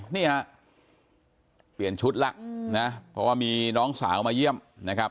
นี่ฮะเปลี่ยนชุดแล้วนะเพราะว่ามีน้องสาวมาเยี่ยมนะครับ